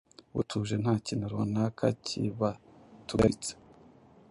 butuje nta kintu runaka kibatugaritse.